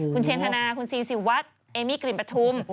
คุณเชนธนาคุณซีศิวัฏเอมี่กลิ่นปัฑมาธุม